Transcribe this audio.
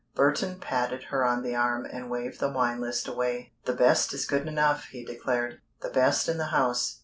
Burton patted her on the arm and waved the wine list away. "The best is good enough," he declared, "the best in the house.